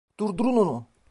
Durdurun onu!